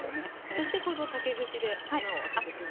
そしてこの竹串で穴を開けていくんですね。